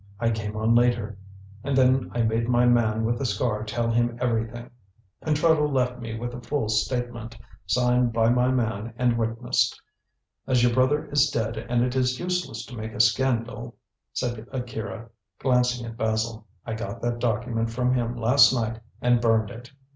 I came on later, and then I made my man with the scar tell him everything. Pentreddle left me with a full statement, signed by my man and witnessed. As your brother is dead and it is useless to make a scandal," said Akira, glancing at Basil, "I got that document from him last night and burned it."